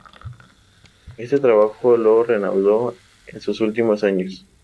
Este trabajo lo reanudó en sus últimos años.